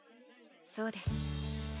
そうです。